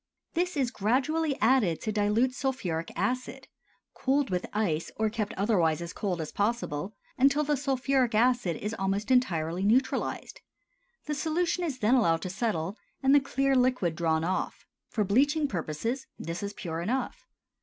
This is gradually added to dilute sulphuric acid, cooled with ice or kept otherwise as cold as possible, until the sulphuric acid is almost entirely neutralized. The solution is then allowed to settle and the clear liquid drawn off. For bleaching purposes, this is pure enough.